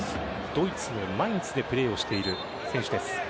ドイツのマインツでプレーをしている選手です。